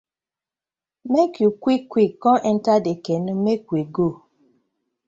Mek yu quick quick kom enter dey canoe mek we go.